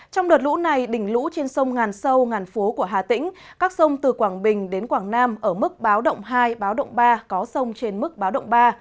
trong đợt lũ này đỉnh lũ trên sông ngàn sâu ngàn phố của hà tĩnh các sông từ quảng bình đến quảng nam ở mức báo động hai báo động ba có sông trên mức báo động ba